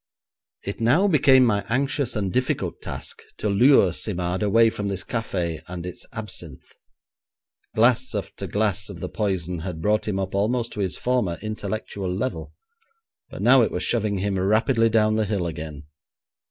It now became my anxious and difficult task to lure Simard away from this café and its absinthe. Glass after glass of the poison had brought him up almost to his former intellectual level, but now it was shoving him rapidly down the hill again.